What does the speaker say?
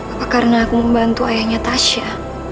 apa karena aku membantu ayahnya tasya